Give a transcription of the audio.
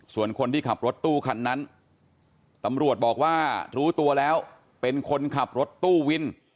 ส่วนคนที่ขับรถตู้คันนั้นตำรวจบอกว่ารู้ตัวแล้วเป็นคนขับรถตู้วิน